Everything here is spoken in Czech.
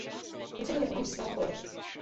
Působil jako malíř skla a politik.